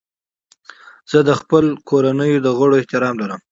زه د خپلو کورنیو د غړو احترام لرم.